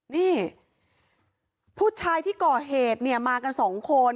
นี่ผู้ชายที่ก่อเหตุเนี่ยมากันสองคน